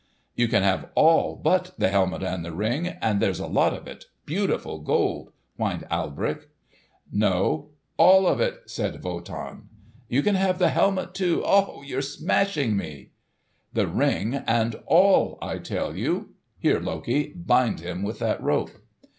"You can have all but the helmet and the Ring; and there's a lot of it—beautiful Gold!" whined Alberich. "No, all of it!" said Wotan. "You can have the helmet, too. Ough! you're smashing me!" "The Ring and all, I tell you! Here, Loki, bind him with that rope!"